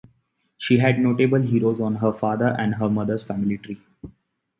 She had notable heroes on her fathers and her mothers family tree.